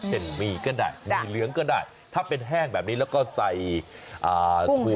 เป็นมีก็ได้มีเหลืองก็ได้ถ้าเป็นแห้งแบบนี้แล้วก็ใส่อ่าถั่วถั่วปักยาว